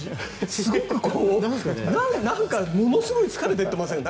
すごくものすごい疲れていってません？